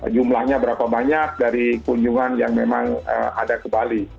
jumlahnya berapa banyak dari kunjungan yang memang ada ke bali